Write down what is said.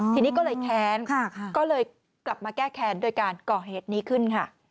ทีนี้ก็เลยแค้นก็เลยกลับมาแก้แค้นโดยการก่อเหตุนี้ขึ้นค่ะ